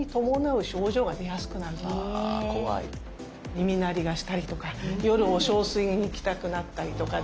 耳鳴りがしたりとか夜お小水に行きたくなったりとかですね